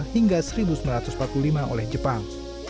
hingga seribu sembilan ratus empat puluh lima oleh jepang